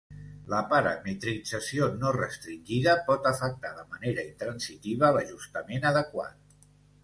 La parametrització no restringida pot afectar de manera intransitiva l'ajustament adequat.